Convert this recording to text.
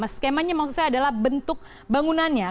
skemanya maksud saya adalah bentuk bangunannya